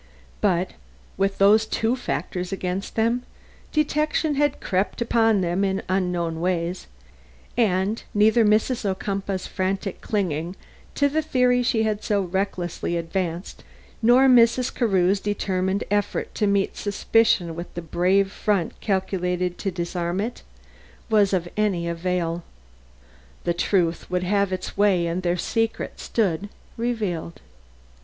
But with those two factors against them, detection had crept upon them in unknown ways, and neither Mrs. Ocumpaugh's frantic clinging to the theory she had so recklessly advanced, nor Mrs. Carew's determined effort to meet suspicion with the brave front calculated to disarm it, was of any avail. The truth would have its way and their secret stood revealed.